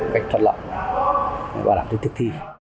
cách thuận lợi và làm thứ thức thi